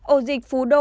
ổ dịch phú đô năm ca